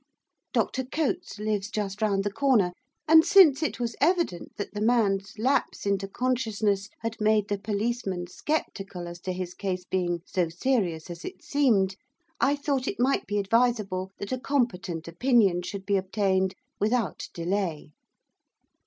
Dr Cotes lives just round the corner, and since it was evident that the man's lapse into consciousness had made the policeman sceptical as to his case being so serious as it seemed, I thought it might be advisable that a competent opinion should be obtained without delay.